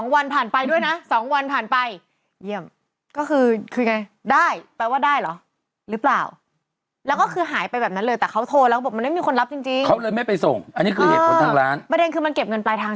ไว้ด้วยนะ๒วันผ่านไปเยี่ยมก็คือคือไงได้แปลว่าได้หรอหรือเปล่าแล้วก็จะหายไปแบบนั้นเลยแต่เขาโทรแล้วบอกมันไม่มีคนรับจริง